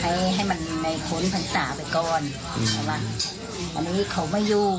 ให้ให้มันในคนศึกษาไปก่อนอืมเขาว่าอันนี้เขาไม่อยู่